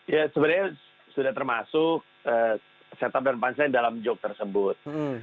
ya sebenarnya sudah termasuk set up dan punchline dalam joke tersebut